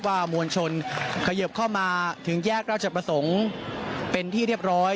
มวลชนเขยิบเข้ามาถึงแยกราชประสงค์เป็นที่เรียบร้อย